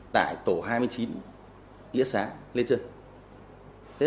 tại tổ hai mươi chín lĩa sáng lên chân